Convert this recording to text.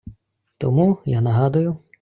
Тому я нагадую